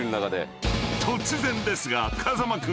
［突然ですが風間君］